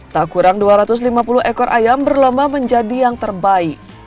tak kurang dua ratus lima puluh ekor ayam berlomba menjadi yang terbaik